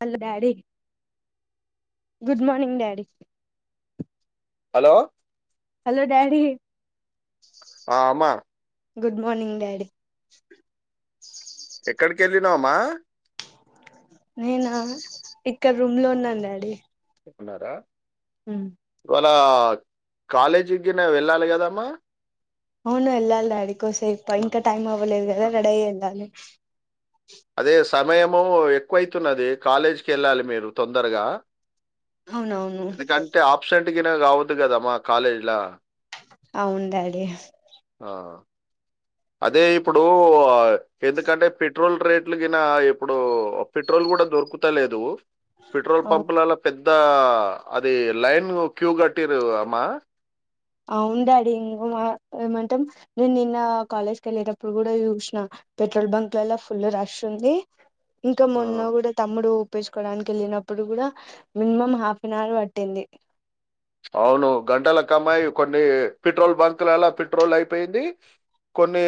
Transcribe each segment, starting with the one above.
Hello daddy good morning daddy hello hello daddy ఆ అమ్మ good morning daddy ఎక్కడికి [unintelligible] అమ్మా నేనా ఇక్కడ రూమ్ లో ఉన్నాను డాడీ చెప్పినారా హ్మ్ అళ కాలేజీకి నవెళ్ళాలి కదమ్మా అవును వెళ్ళాలి డాడి కోసేపు ఇంకా టైమ్ అవ్వలేదు కదా రెడీ అయి వెళ్లాలి అదే సమయము ఎక్కువైతున్నది కాలేజీకి వెళ్ళాలి మీరు తొందరగా అవునవును ఇటికినా కావద్దు కదమ్మా కాలేజ్ల అవును డాడీ అదే ఇప్పుడు ఆ ఎందుకంటే పెట్రోల్ రేట్లు కిన ఇప్పుడు పెట్రోల్ కూడా దొరుకుత లేదు పెట్రోల్ అవు పంప్లలా పెద్ దా అది లైన్ క్యూ కటిరు మా అవును డాడీ ఇన్ గా ఏమంటాం నేను నిన్న కాలేజ్ కి వెళ్ళేటప్పుడు కూడా చూసిన పెట్రోల్ బంక్లలా ఫుల్ రష్ ఉంది. ఇంకా ఆ. మొన్న కూడా తమ్ముడు ఉప్పించుకోవడానికి వెళ్ళినప్పుడు కూడా మినిమమ్ హాఫ్ అన్ అవర్ పట్టింది. అవును గంటలు కమ్మాయ్ కొన్ని పెట్రోల్ బంకులలా పెట్రోల్ అయిపోయింది, కొన్ని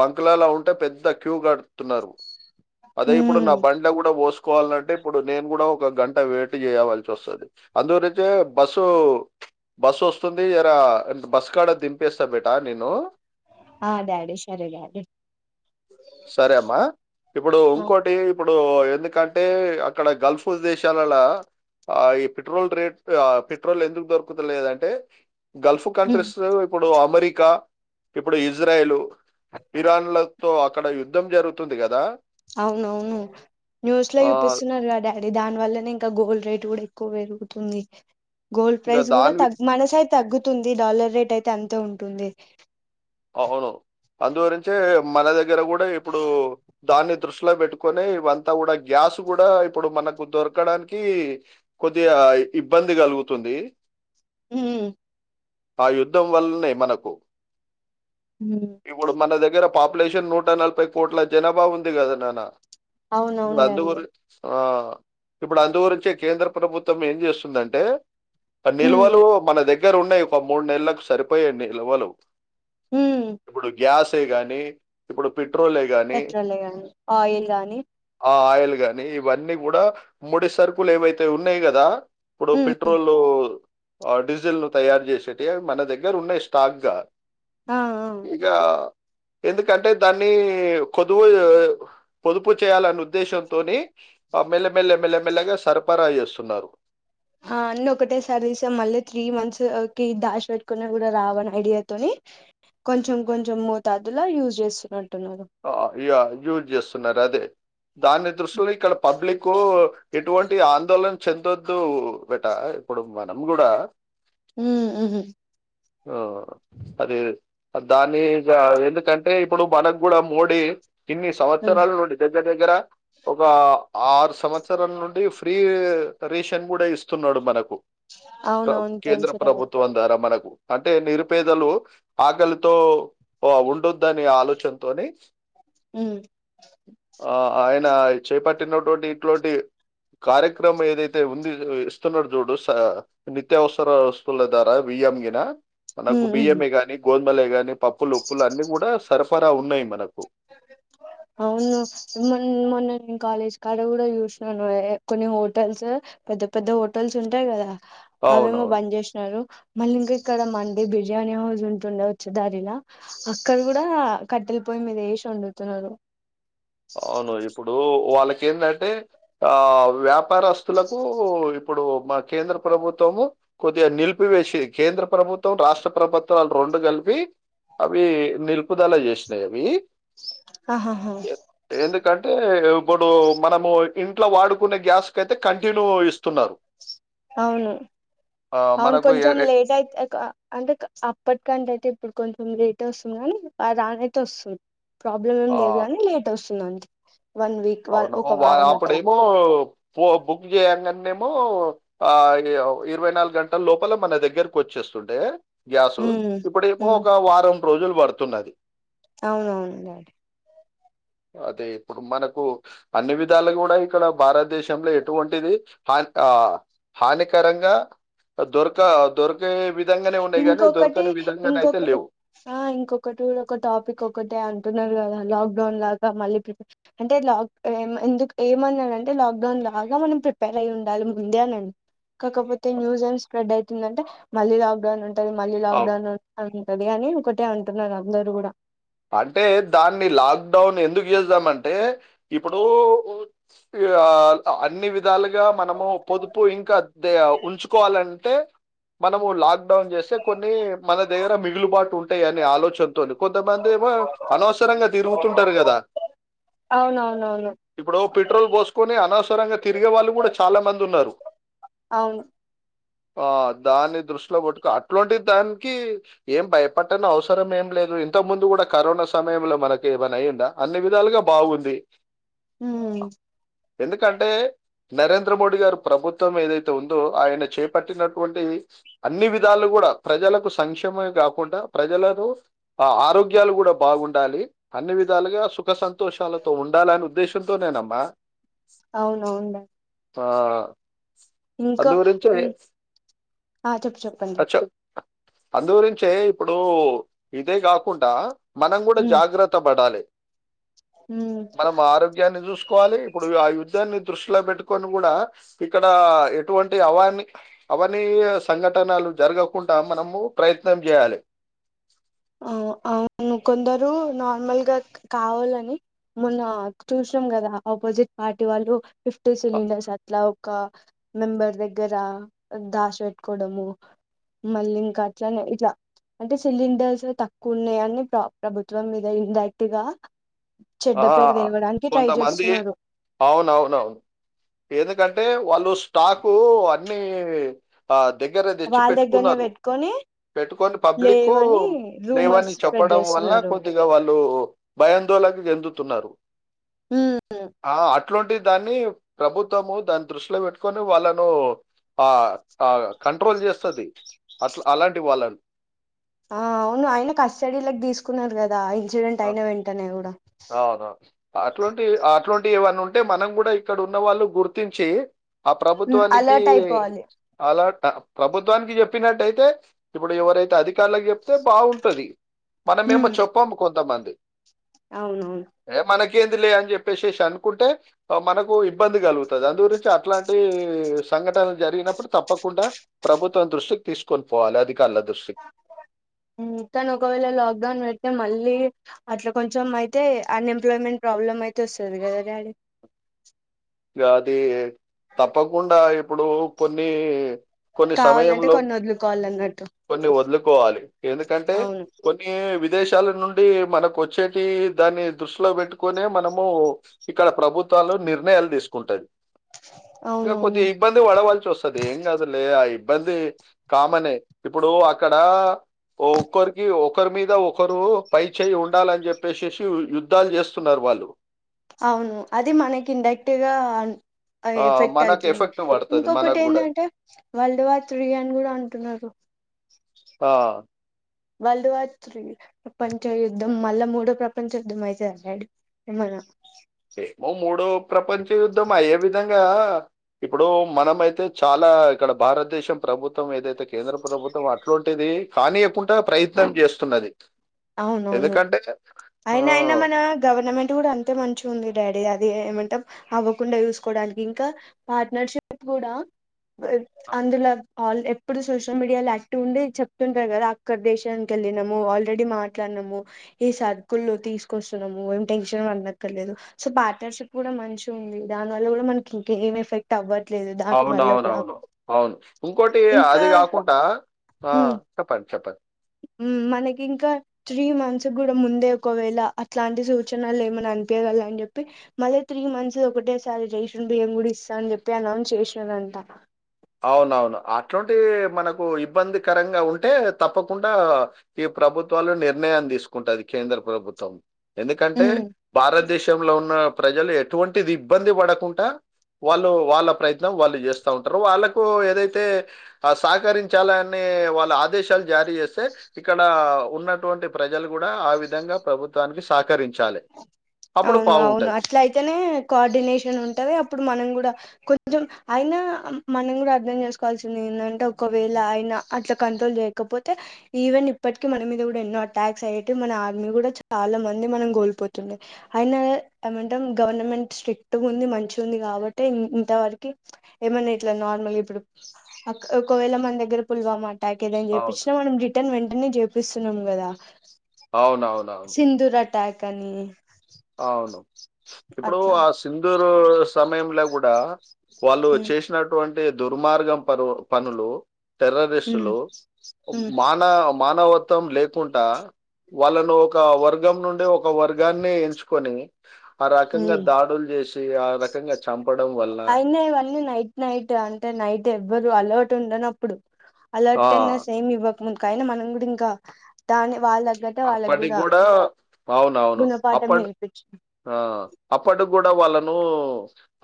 బంకులులాలా ఉంటే పెద్ద క్యూ కడుతున్నారు. అదే ఇప్పుడు నా బండ్ల కూడా పోస్క్ కోవాలంటే ఇప్పుడు నేను కూడా ఒక గంట వెయిట్ చేయవలసి వస్తది అందురే అంటే బస్సు బస్సు వస్తుంది ఎరా బస్సు కాడ దింపేస్తా బేటా నేను ఆ డాడీ సరే డాడీ సరే అమ్మా ఇప్పుడు ఇంకోటి ఇప్ ఇప్పుడు ఎందుకంటే అక్కడ గల్ఫ్ దేశాలలా ఆ ఈ పెట్రోల్ రేట్ య పెట్రోల్ ఎందుకు దొరుకుత్ లేదంటే గల్ఫ్ కంట్రీస్ ఇప్పుడు అమెరిక్ గా ఇప్పుడు ఇజ్రాయిలు ఇరాన్లతో అక్ అక్కడ యుద్ధం జరుగుతుంది కదా అవునవును న్యూస్ లో ఆ! చూపిస్తున్నారుగా డాడీ దాని వల్లనే ఇంకా గూగుల్ రేట్ టుడ్ ఎక్కువ పెరుగుతుంది. గోల్డ్ ఇక ప్రైజ్ కూడా దాని వి- తగ్ మనసై తగ్గుతుంది డాలర్ రేట్ అయితే అంతే ఉంటుంది. అవును. అందు దొరించే మనద్ దగ్గర కూడా ఇప్పుడు దాన్ని దృష్టిలో పెట్టుక్ కొని ఇవంతా కూడా గ్యాస్ కూడా ఇప్పుడు మనకు దొరకడానికి కొద్దిగా ఇబ్బంది కలుగుతుంది. ఉ ఆ యుద్ధం వల్నే మనకు ఉమ్, ఇప్పుడు మన దగ్గరం పాపులేషన్ నూట నలభై కోట్ల జనాభా ఉంది కదా నాన్న అవునవును తండ్ డాడీ గురించ్ ఆ ఇప్పుడు అందుగురించే కేంద్ర ప్రభుత్వం ఏం చేస్తుందంటే ఉమ్ నిల్వలు మన దగ్ దగ్గర ఉన్నాయి ఒక మూడు నెలలకు సరిపోయే నిల్వలు ఉమ్ ఇప్పుడు గ్యాస్ టే గాని ఇప్పుడు పెట్ పెట్రోలే గానీ ఆయిల్ గానీ కానీ ఇవన్నీ కూడా ముడి సరుకులు ఏవైతే ఉన్నాయి కదా ఇప్పుడు ఉమ్ పెట్రోలు డీజిల్ ను తయారు చేసేవివి మన దగ్గర ఉన్నాయి స్టాక్గా ఆ ఆ ఇగ ఎందుకంటే దాన్ని కొదువు పొదుపు చేయాలనే ఉద్దేశంతోనే ఆ మెల్లమెల్లె మెల్లెమెల్లగా సరఫరా చేస్తున్నారు ఆ అండ్ ఒకటే సారిసా మళ్ళీ త్రీ మంత్స్ క డాష్ పెట్టుకున్నా కూడా రావని ఐడియాతోని కొంచెం కొంచెం మోతాదులో యూజ్ చేస్తున్నాడు యూజ్ చేస్తున్నారు అదే దాని దృష్టిలో ఇక్కడ పబ్లిక్ ఎటువంటి ఆందోళన చెందొద్దు బట ఇప్పుడు మనం కూడా హ ఆ అది దాన్ని ఎందుకంటే ఇప్పుడు మనం కూడా మోడి ఇన్ని సంవత్సరాల నుండి దగ్గర దగ్గర ఒక ఆరు సంవత్సరాల నుండి ఫ్రీ రేషన్ కూడా ఇస్తున్నాడు మనకు అవునవును కేంద్ర తెలుసు డాడీ ప్రభుత్వ దర మనకు అంటే నిరుపేదలు ఆకలితో ఉండొద్దని ఆలోచన తోని ఉ ఆ ఆయన చేపట్టినటువంటి ఇట్లాంటి కార్యక్రమ ఏదైతే ఉంది ఇస్తున్నాడు చూడు నిత్యావసర వస్తువుల దారా విఎంగిన మనకు ఉమ్ బియ ఉహు మేగాని గోం కాని పప్పులు ఉప్పులు అన్ని కూడా సరఫర్ ఉన్నాయి మనకు అవును మొ మొన్న నేను కాలేజ్ కాడ కూడా చూసినాను కొన్ని హోటల్స్ పెద్ద పెద్ద హోటల్స్ ఉంటాయి కదా అవేమో అవునవును బంద్ చేసినారు మళ్ళీ ఇంకా ఇక్కడ మండడి బిర్యానీ హౌస్ ఉంటుండ వచ్చు దారిలా అక్కడ కూడా కట్టెలి పోయి మీద చం వండుతున్నారు అవును ఇప్పుడు వాళ్ళకి ఏంటంటే ఆ వ్యాపారస్తులకు ఇప్పుడు మా కేంద్ర ప్రభుత్వము కొద్దిగా నిలిపివేసిది కేంద్ర ప్రభుత్వం రాష్ట్ర ప్రభుత్వాలు రెండు కలిపి అవి నిరూపుదలా చేసినాయి అవి ఆహాహా ఎందుకంటే ఇప్పుడు మనము ఇంట్లో వాడుకునే గ్యాస్ కయితే కంటిన్యూ ఇస్తున్నారు అవును ఆహ్, అవును మనకు ఎ కొంచెం ఎ లేట్ అయితే అంటే అప్పటికంటే అయితే ఇప్పుడు కొంచం లేట్ వస్తుం కానీ రానైయితే వస్తుంది ప్రాబ్లమ్ ఏం ఆ! లేదు గానీ లేట్ వస్తుంది దంతె అవును అప్పుడ ఏమో బుక్ చే ఆ ఇరవై నాలుగు గంటల లోపల మన దగ్గరకు వచ్చేస్తుంటే గ్యాస్ ఉమ్ ఇప్పుడు ఇ ఉమ్ ఒక వారం రోజులు పడుతున్నది అవునవును డాడీ అదే ఇప్పుడు మనక్ కు అన్ని విధాలుగుడ ఇక్కడ భారతదేశంలో ఎటువంటిది హా హానికరంగా దొరక దొర్ ఇంకొకటి విధంగానైతే ఇంకొక లేవు ఆ ఇంకొకటి గుడ ఒక టాపిక్ ఒకటే అంటున్నారు గద లాగ లాక్డౌన్ లాగా మళ్ళ ప్రప [unintelligible] అంటే ఇట్ల ఎందుకు ఏమన్నాంటే లాక్ డౌన్ లాగా మనం ప్రిపేర్ అయి ఉండాలి ముందే అనం కాకపోతే నూసెన్స్ స్ప్రెడ్ అవుతుందంటే మల్లి లా గణన్ ఉంటది మళ్ళీ లాక్డౌన్ స్తుది గని ఒకటే అంటున్నారు అందరుూ గుడా అంటే దాన్ని లాక్డౌన్ ఎందుకు చేద్దామంటే ఇప్పుడు ఆ అన్ని విధాలుగా మనము పొదుపు ఇంకా ఉంచుకోవాలంటే మనము లాక్డౌన్ చేస్తే కొన్ని మన దగర మిగులుబాటు ఉంటాయని ఆలోచనతోని కొంత ఏమో అనవసరంగా తిరుగుతుంటరు గదా అవునవునవును ఇప్పుడు పెట్రోల్ పోసుకొని అనవసరంగా తిరిగే వాళ్ళు కూడా చాలా మంది ఉన్నారు అవును ఆ దాని దృష్టిలో కొట్టుకు అట్లాంటి దానికి ఏం భయపట్టని అవసరం ఏం లేదు ఇంతకు ముందు కూడా కరోనా సమయంలో మనకి ఏమనా అయ్యందా అన్ని విధాలుగా బాగుంది హ్మ్ ఎందుకంటే నరేంద్ర మోడీ గారు ప్రభుత్వం ఏదైతే ఉందో ఆయన చేపట్టినటువంటి అన్ని విధాలు గుడా ప్రజలకు సంక్షేమమే కాకుండా ప్రజలను ఆ ఆరో ఆరోగ్యాలు కూడా బాగుండాలి అన్ని విధాలుగా సుఖ సంతోషాలతో ఉండాలనే ఉద్దేశంతో నేనమ్మా అవునవును ఆ ఇంక అందుగురించే ఆ చెప్పు చెప్పండి అందు గురించే ఇప్పుడు ఇదే గ కుంటా మనం గుడా ఉమ్ జాగ్రత్త పడాలే ఉమ్ మనం ఆరోగ్యాన్ని చూసుకోవాలి ఇప్పుడు ఆయుద్ధాన్ని దృష్టిలో పెట్టుకొని గుడ ఇక్కడ ఎటువంటి అవాని అవనీయ సంఘటనలు జరగకుండా మనము ప్రయత్నం జేయాలె అవును కొందరు నార్మల్గా కావాలని మొన్న చూసినాం కదా ఆపోజిట్ పార్టీ వాళ్ళు ఫిఫ్టీ సిలిండర్స్ అట్లా ఒక మెంబర్ దగ్గర దాశి పెట్టుకోవడము మళ్ళీ ఇంకా అట్లనే ఇట్లా అంటే సిలిండర్స్ తక్కువ ఉన్నాయని ప్ర ప్రభుత్వం మీద ఇండైరెక్ట్ గా చెడ్డ ఆ పేరు తేవడానికి ట్రై కొంతమంది చేస్తున్నారు అవునవునవును ఎందుకంటే వాళ్ళు టాకు పన్నే ఆ దగ్గర తెచ్చి వాళ్ళ దగ్గరనే పెట్టుకున్నరు పెట్టుకొని పెట్టుకొని పబ్లిక్ లేవని లేవని రూమర్స్ స్ప్రెడ్ చెప్పడం వల్ల చేస్తున్నారు కొద్దిగా వాళ్ళు ధో బయన్ధోల [unintelligible] ఎందుతున్నరు ఉమ్ ఆ ఇట్లాంటి దాన్ని ప్రభుత్వము దాని దృష్టిలో పెట్టుగొని వాళ్ళను ఆ అ కంట్రోల్ జెస్తది అట్లా అలాంటి వాళ్ళను ఆ అవును ఆయన కస్టడీలకి తీసుకున్నారు గదా ఆ ఎక్సిడెంట్ అయిన వెంటనే గుడ అవుద అటువంటి అటువంటి ఏవన్న ఉంటే మనం కూడా ఇక్కడ ఉన్న వాళ్ళు గుర్తించి ఆ ఉమ్, ప్రభుత్వానికి అలర్ట్ అయిపోవాలి అలా ప్రభుత్వానికి చెప్పినట్టయితే ఇప్పుడు ఎవరైతే అధికారుకి చెప్తే బాగుంటది మనమేమో ఉమ్, చెప్పాము కొంతమంది అ అవునవును ఏ మన ేంది లే అని చెప్పేసి అనుకుంటే మనకు ఇబ్బంది కలుగుతుంది అందుగురించి అట్లాంటి సంఘటనలు జరిగినప్పుడు తప్పకుండా ప్రభుత్వం దృష్టికి తీసుకొని పోవాలి అది కానీ ఒకవేళ లాక్డౌన్ పెడితే మళ్ళీ అట్లా కొంచెం అయితే అన్ఎంప్లాయ్మెంట్ ప్రాబ్లమ్ అయితే వస్తుంది కదా డాడీ ఇ అది తప్పకుండా ఇప్పుడు కొన్ని కొన్ని కావాలంటే సమయంలో కొన్ని వదులుకోవాలి అన్నట్టు కొన్ని వదులుకోవాలి ఎందుకంటే అవును కొన్ని వి వి దేశాల నుండి మనకు వచ్చేటి దాన్ని దృష్టిలో పెట్టుకునే మనము ఇక్కడ ప్రభుత్వాలు నిర్ణయాలు వేసుకుంటారు ఇంకా అవునవును కొద్దిం ఇబ్బంది పడవల్సి వస్తుది ఏం కదులే ఆ ఇబ్బంది కామనే ఇప్పుడు అక్కడ ఒకరికి ఒకరి మీద ఒకరు పై చేయి ఉండాలని చెప్పేసేసి యుద్ధాలు చేస్తున్నారు వాళ్ళు అవును అది మనకి ఇండరెక్ట్గా అ ఆ ఎఫెక్ట్ మనకు అవుతుంది ఎఫెక్ట్ పడుతది ఇంకొకటి మనకు కూడా ఏంటంటే వల్డ్ వ త్రీ అని కూడా అంటున్నారు ఆ వరల్డ్ వార్ త్రి ప్రపంచ యుద్ధం మళ్ళా మూడో ప్రపంచ యుద్ధం మల్ల మూడో ప్రపంచ యుద్ధం అయితదా డాడీ ఏమన్నా మూడో ప్రపంచ యుద్ధం అయ్యే విధంగా ఇప్పుడు మనమైతే చాలా ఇక్కడ భారతదేశం ప్రభుత్వం ఏదైతే కేంద్ర ప్రభుత్వం అట్లాంటిేది కానీయకుండా ప్రయత్నం చేస్తున్నది అవునవును ఎందుకంటే ఆ అయిన అయినా మన గవర్నమెంట్ కూడా అంతే మంచి ఉంది డాడీ అది ఏమంటా అవ్వకుండా చూసుకోవడానికి ఇంకా పార్ట్నర్షిప్ కూడా అందులో ఎప్పుడు సోషల్ మీడియా యాక్టివ్ ఉండి చెప్తుంటారు కదా అక్కడ దేశానికి వెళ్ళినము వా ఆల్రెడీ మాట్లాడనము ఈ సర్కుల్లో తీసుకొస్తున్నాము ఏం టెన్షన్ అండక్కర్లేదు సో పార్ట్నర్షిప్ కూడా మంచి ఉంది దాని వల్ల కూడా మనకి ఇం ఏం ఎఫెక్ట్ అవ్వ అవునవునవును అవును ఇంకోటి ఇంకా అది కాకుండా ఆ చెప్పండి చప్పత్ మనకి ఇంకా త్రీ మంత్స్ కూడా ముందే ఒకవేళ అట్లాంటి సూచనలు ఏమనా అనిపించగల అని చెప్పి మళ్ళీ త్రీ మంత్స్ ఒకటే సారి రేషన్ బియ్యం కూడా ఇస్తా అని చెప్పి అనౌన్స్ చేసినారంట అవునవును అటువంటి మనకు ఇబ్బందికరంగా ఉంటే తప్పకుండా ఈ ప్రభుత్వాలు నిర్ణయం తీసుకుంటుంది కేంద్ర ప్రభుత్వం ఎందుకంటే మ్మ్ భారతదేశంలో ఉన్న ప్రజలు ఎటువంటిది ఇబ్బంది పడకుండా వాళ్ళు వాళ్ళ ప్రయత్నం వాళ్ళు చేస్తా ఉంటారు వాళ్ళకి ఏదైతే సహకరించాల అనే వాళ్ళ ఆదేశాలు జారీ చేస్తే ఇక్కడ ఉన్నట్ అటువంటి ప్రజలు కూడా ఆ విధంగా ప్రభుత్వానికి సహకరించాలి అప్పుడు అవును అవును బావుంటది. అట్లా అయితేనే కోఆర్డినేషన్ ఉంటది అప్పుడు మనం కూడా కొ కొంచెం అయినా మనం కూడా అర్థం చేసుకోవాల్సింది ఏంటంటే ఒకవేళ ఆయన అట్లా కంట్రోల్ చేయకపోతే ఈవెన్ ఇప్పటికీ మన మీద కూడా ఎన్నో అటాక్స్ అయ్యేవి మన ఆర్మీ కూడా చాలా మంది మనం కోల్పోతుంది అయినా ఏమంట గవర్నమెంట్ స్ట్రిక్ట్ ఉంది మంచి ఉంది కాబట్టి ఇంతవరకి ఏమైన్నా ఇట్లా నార్మల్ ఇప్పుడు ఒకవేళ మన దగ్గర పుల్వామాట ప్యాకేజీ ఏం అవును. చెప్పిన మనం రిటర్న్ వెన్ అన్నిచేపిస్తున్నాం కదా అవునవునవును. సిధూర్ అటాక్ కానీ అవును. ఇప్పుడు ఆ సింధూరు సమయంలో కూడా వాళ్ళు ఉమ్ చేసినటువం టే దుర్మార్గం పను పనులు ఉమ్ టెర్రరిస్టులు ఉమ్. మాన మానవ త్తం లేకుండా వాళ్ళను ఒక వర్గ గం నుండి ఒక వర్గాన్ని ఎంచు కోని ఉమ్ ఆ రకంగా చంపడం వల్ల ఆ అయినా ఇవన్నీ నైట్ నైట్ అంటే నైట్ ఎవ్వరు అలర్ట్ ఉండనప్పుడు ఆ! అలట్టెన్న సేమ్ ఇవ ముందుకైనా మనం కూడా ఇంకా దాని వాళ్ళ తగ్గట్టే వాళ్ళకి అప్పటికి కూడా బావు అవును గుణపాఠం అప్పడు నేర్పించు అప్పడు కూడా వాళ్ళను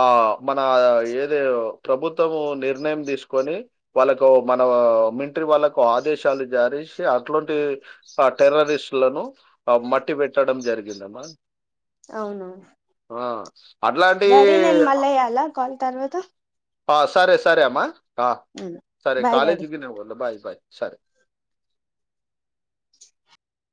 ఆ మన ఏది ప్రభుత్వము నిర్ణయం తీసుకొని వాళ్ళకు మన మింట్రీ వాళ్ళకు ఆదేశాలు జారసి అటువంటి టెర్రరిస్టులను మట్టి పెట్టడం జరిగిందమ్మా అవునవును ఆ అట్లాంటి డాడి నేను మల్ల చేయల కాల్ తర్వాత ఆ సరే సరే అమ్మా ఆ సరే బాయ్ డాడీ కాలేజకి నవల్ బాయ్ బాయ్ సరే